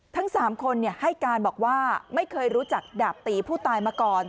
ทั้ง๓คนให้การบอกว่าไม่เคยรู้จักดาบตีผู้ตายมาก่อน